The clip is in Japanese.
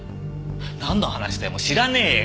なんの話だよもう知らねえよ！